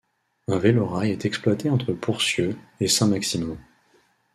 Un vélo-rail est exploité entre Pourcieux et Saint Maximin.